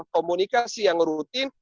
komunikasi yang rutin